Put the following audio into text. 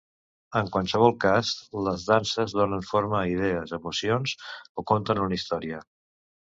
En qualsevol cas, les danses donen forma a idees, emocions o conten una història.